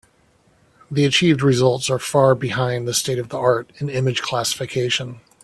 The achieved results are far behind the state-of-the-art in image classification.